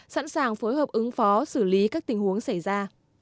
sẵn sàng phối hợp ứng phó xử lý các tình huống xảy ra